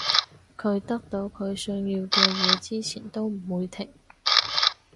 佢得到佢想要嘅嘢之前都唔會停